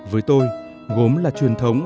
với tôi gốm là truyền thống